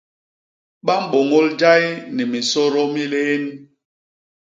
Ba mbôñôl jay ni minsôdô mi lién.